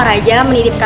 aku bisa mencoba